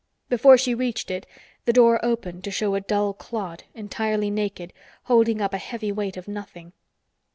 Before she reached it, the door opened to show a dull clod, entirely naked, holding up a heavy weight of nothing.